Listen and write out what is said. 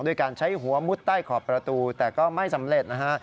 ด้วยการใช้หัวมุดใต้ขอบประตูแต่ก็ไม่สำเร็จนะฮะ